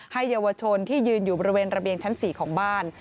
เยาวชนที่ยืนอยู่บริเวณระเบียงชั้น๔ของบ้าน